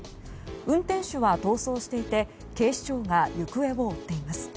運転手は逃走していて警視庁が行方を追っています。